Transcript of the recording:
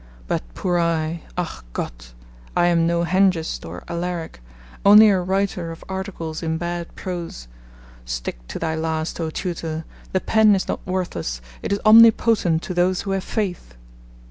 But poor I, ach Gott! I am no Hengist or Alaric; only a writer of Articles in bad prose; stick to thy last, O Tutor; the Pen is not worthless, it is omnipotent to those who have Faith.